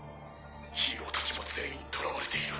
ヒーローたちも全員捕らわれている。